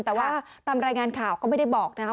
แต่ว่าตามรายงานข่าวก็ไม่ได้บอกนะครับ